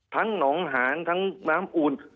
ทั้งหนองหางทั้งน้ำอูน